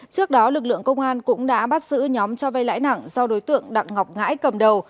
trước đó lực lượng công an cũng đã bắt giữ nhóm cho vay lãi nặng do đối tượng đặng ngọc ngãi cầm đầu